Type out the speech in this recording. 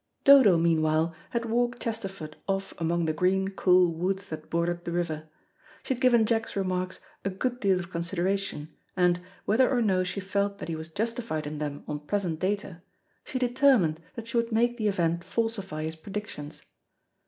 Dodo meanwhile had walked Chesterford off among the green cool woods that bordered the river. She had given Jack's remarks a good deal of consideration, and, whether or no she felt that he was justified in them on present data, she determined that she would make the event falsify his predictions.